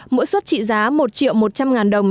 mỗi suất trị giá một triệu một trăm linh ngàn đồng